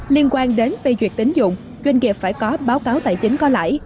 liên quan đến vây duyệt tính dụng doanh nghiệp phải có báo cáo tài chính có lãi